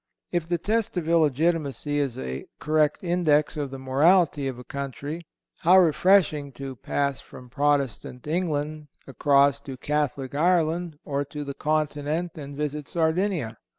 If the test of illegitimacy is a correct index of the morality of a country, how refreshing to pass from Protestant England across to Catholic Ireland or to the Continent and visit Sardinia!